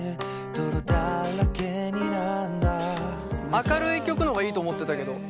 明るい曲の方がいいと思ってたけど。